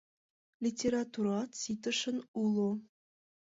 Литературат ситышын уло.